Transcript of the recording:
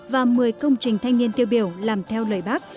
và một mươi công trình thanh niên tiêu biểu làm theo lời bác